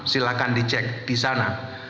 silahkan dicek di sana